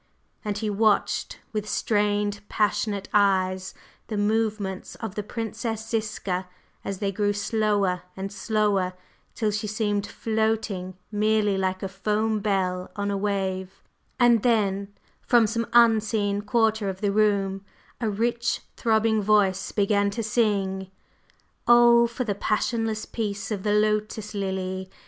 And he watched with strained, passionate eyes the movements of the Princess Ziska as they grew slower and slower, till she seemed floating merely like a foam bell on a wave, and then … from some unseen quarter of the room a rich throbbing voice began to sing: "Oh, for the passionless peace of the Lotus Lily!